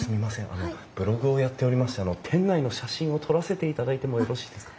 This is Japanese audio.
あのブログをやっておりまして店内の写真を撮らせていただいてもよろしいですか？